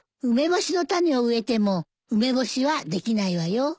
梅干しの種を植えても梅干しはできないわよ。